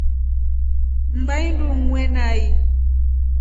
Mmbahii indungue nai.